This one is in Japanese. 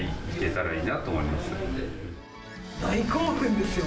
大興奮ですよ